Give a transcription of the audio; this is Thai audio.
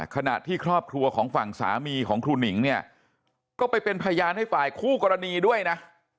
ขณะที่ครอบครัวของฝั่งสามีของครูหนิงเนี่ยก็ไปเป็นพยานให้ฝ่ายคู่กรณีด้วยนะ